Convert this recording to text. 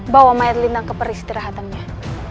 bawa mayat lina ke peristirahatannya